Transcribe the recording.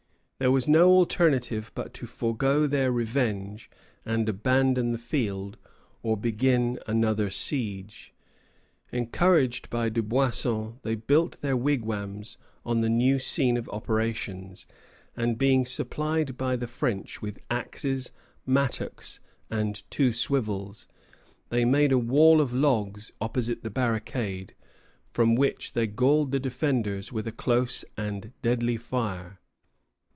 There was no alternative but to forego their revenge and abandon the field, or begin another siege. Encouraged by Dubuisson, they built their wigwams on the new scene of operations; and, being supplied by the French with axes, mattocks, and two swivels, they made a wall of logs opposite the barricade, from which they galled the defenders with a close and deadly fire.